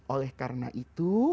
oleh karena itu